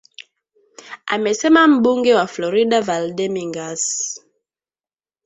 amesema mbunge wa Florida Val Demingas